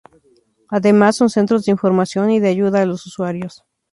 Además son centros de información y de ayuda a los usuarios.